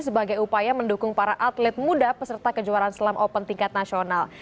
sebagai upaya mendukung para atlet muda peserta kejuaraan selam open tingkat nasional